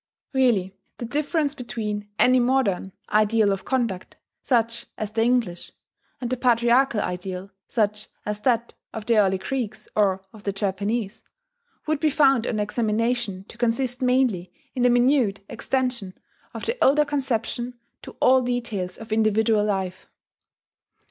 Really the difference between any modern ideal of conduct, such as the English, and the patriarchal ideal, such as that of the early Greeks or of the Japanese, would be found on examination to consist mainly in the minute extension of the older conception to all details of individual life.